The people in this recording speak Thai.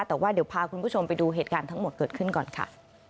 แต่ว่าเดี๋ยวพาคุณผู้ชมไปดูเหตุการณ์ทั้งหมดเกิดขึ้นก่อนค่ะ